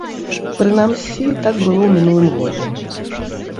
Прынамсі, так было ў мінулым годзе.